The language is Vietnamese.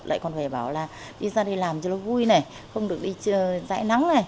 lại còn phải bảo là đi ra đây làm cho nó vui này không được đi dại nắng này